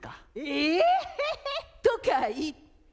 え⁉とか言って。